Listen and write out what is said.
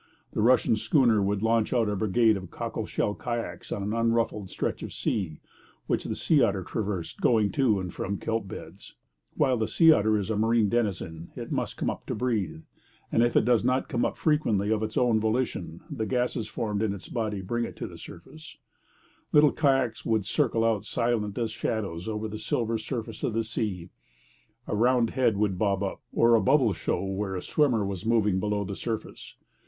The Russian schooner would launch out a brigade of cockle shell kayaks on an unruffled stretch of sea, which the sea otter traversed going to and from the kelp beds. While the sea otter is a marine denizen, it must come up to breathe; and if it does not come up frequently of its own volition, the gases forming in its body bring it to the surface. The little kayaks would circle out silent as shadows over the silver surface of the sea. A round head would bob up, or a bubble show where a swimmer was moving below the surface.